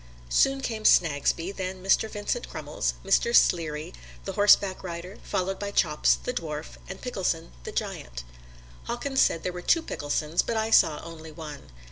Soon came Snagsby, then Mr. Vincent Crummels, Mr. Sleary, the horseback rider, followed by Chops, the dwarf, and Pickleson, the giant. Hawkins said there were two Picklesons, but I saw only one.